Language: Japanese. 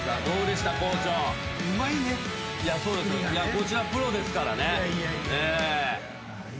こちらプロですからね。